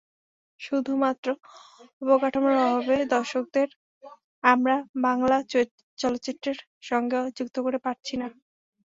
শুধুমাত্র অবকাঠামোর অভাবে দর্শকদের আমরা বাংলা চলচ্চিত্রের সঙ্গে যুক্ত করতে পারছি না।